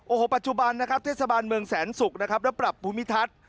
โอ้โหปัจจุบันเทศบาลเมืองแสนศุกร์และปรับภูมิทัศน์